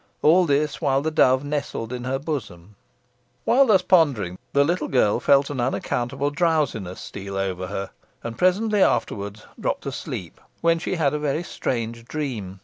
All this while the dove nestled in her bosom. While thus pondering, the little girl felt an unaccountable drowsiness steal over her, and presently afterwards dropped asleep, when she had a very strange dream.